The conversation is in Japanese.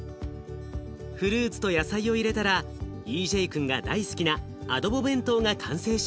フルーツと野菜を入れたらＥＪくんが大好きなアドボ弁当が完成しました。